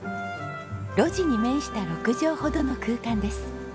路地に面した６畳ほどの空間です。